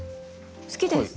好きです。